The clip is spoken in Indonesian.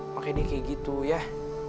maka dia kayak gitu yah